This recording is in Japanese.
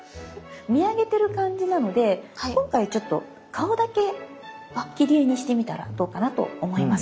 見上げてる感じなので今回ちょっと顔だけ切り絵にしてみたらどうかなと思います。